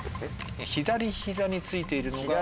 左ひざについているのが。